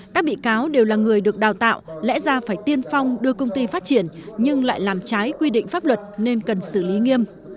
các bị cáo đều là người được đào tạo lẽ ra phải tiên phong đưa công ty phát triển nhưng lại làm trái quy định pháp luật nên cần xử lý nghiêm